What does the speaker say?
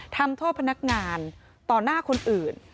ทำโทษพนักงานต่อหน้าคนอื่น